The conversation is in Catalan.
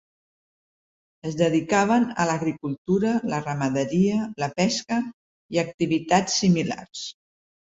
Es dedicaven a l'agricultura, la ramaderia, la pesca i activitats similars.